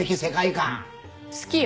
好きよ。